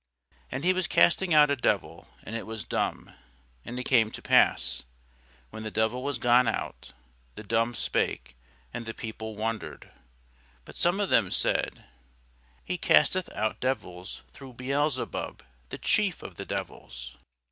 And he was casting out a devil, and it was dumb. And it came to pass, when the devil was gone out, the dumb spake; and the people wondered. But some of them said, He casteth out devils through Beelzebub the chief of the devils.